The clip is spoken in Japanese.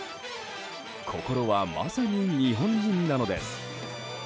心は、まさに日本人なのです。